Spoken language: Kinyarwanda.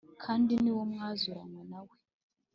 kandi ni mo mwazuranywe na we